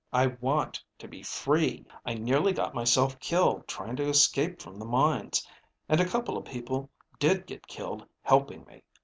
I want to be free. I nearly got myself killed trying to escape from the mines. And a couple of people did get killed helping me.